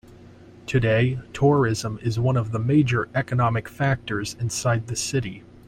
Today, tourism is one of the major economic factors inside the city.